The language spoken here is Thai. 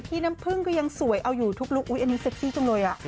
พี่น้ำพึ่งก็ยังสวยเอาอยู่ทุกลุคอุ๊ยอันนี้เซ็กซี่จังเลย